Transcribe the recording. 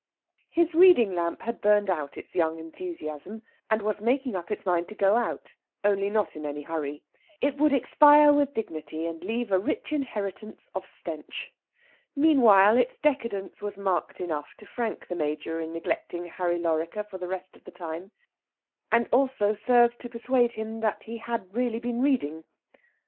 His reading lamp had burned out its young enthusiasm, and was making up its mind to go out, only not in any hurry. It would expire with dignity and leave a rich inheritance of stench. Meanwhile, its decadence was marked enough to frank the Major in neglecting "Harry Lorrequer" for the rest of the time, and also served to persuade him that he had really been reading.